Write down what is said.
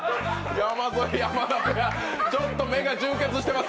山添、山名がちょっと目が充血してます。